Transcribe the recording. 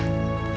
nggak ada airnya